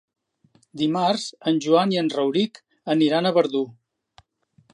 Dimarts en Joan i en Rauric aniran a Verdú.